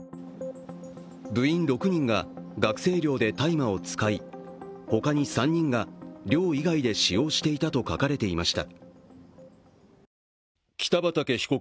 部員６人が学生寮で大麻を使い他に３人が寮以外で使用していたと書かれていました。